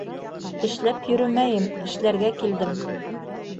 — Эшләп йөрөмәйем, эшләргә килдем.